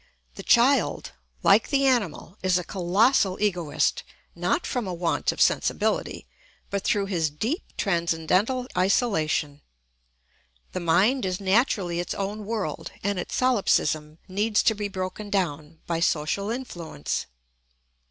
The child, like the animal, is a colossal egoist, not from a want of sensibility, but through his deep transcendental isolation. The mind is naturally its own world and its solipsism needs to be broken down by social influence.